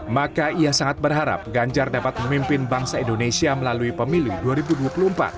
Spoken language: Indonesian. maka ia sangat berharap ganjar dapat memimpin bangsa indonesia melalui pemilu dua ribu dua puluh empat